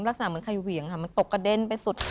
ลักษณะเหมือนใครเหวี่ยงค่ะมันตกกระเด็นไปสุด